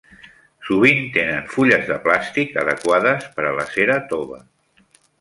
Sovint tenen fulles de plàstic adequades per a la cera tova.